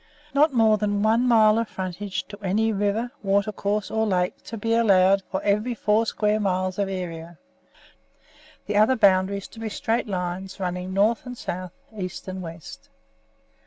"Not more than one mile of frontage to any river, watercourse, or lake to be allowed to every four square miles of area; the other boundaries to be straight lines running north and south, east and west.